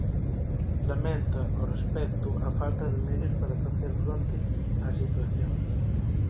Lamenta, ao respecto, "a falta de medios para facer fronte á situación".